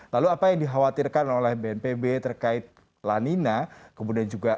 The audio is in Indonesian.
lalu apa yang dikhawatirkan oleh bnpb terkait lanina kemudian juga